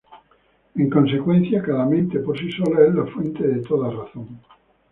En consecuencia, cada mente por sí sola es la fuente de toda razón.